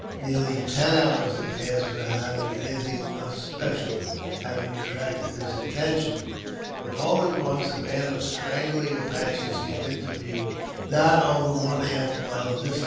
Nearly ten hours had passed without anything special having attracted his attention, when, all at once, a band of straggling Apaches came into view not over one half mile distant.